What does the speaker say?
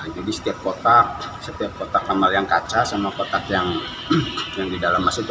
jadi setiap kotak setiap kotak kamar yang kaca sama kotak yang yang di dalam masuk